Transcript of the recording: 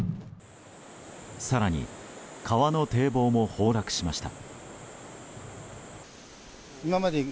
更に、川の堤防も崩落しました。